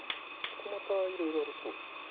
ここまたいろいろありそうです。